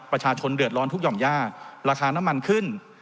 ประชาชนเดือดร้อนทุกหย่อมย่าราคาน้ำมันขึ้น